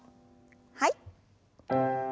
はい。